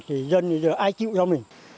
thì dân thì ai chịu cho mình